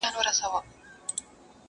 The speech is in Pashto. ستا توري باښې غلیمه ټولي مقدسي دي،